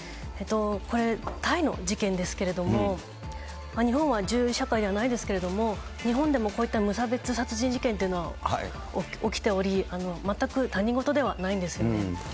これ、タイの事件ですけれども、日本は銃社会ではないですけれども、日本でもこういった無差別殺人事件というのは起きており、全く他人事ではないんですよね。